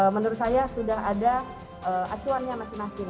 menurut saya sudah ada acuannya masing masing